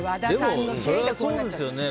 でもそれはそうですよね。